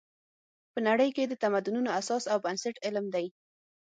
په نړۍ کې د تمدنونو اساس او بنسټ علم دی.